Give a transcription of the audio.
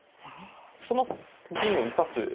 この銀を生かす。